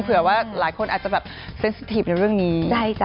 เผื่อว่าหลายคนอาจสไตป์เป็นเรื่องนี้